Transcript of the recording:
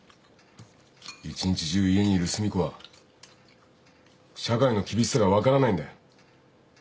一日中家にいる寿美子は社会の厳しさが分からないんだよ。